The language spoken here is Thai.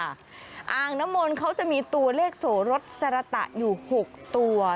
อ่างน้ำมนต์เขาจะมีตัวเลขโสรสสรตะอยู่๖ตัว